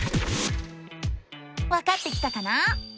わかってきたかな？